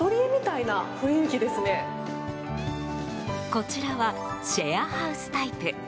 こちらはシェアハウスタイプ。